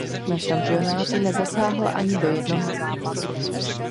Na šampionátu nezasáhl ani do jednoho zápasu.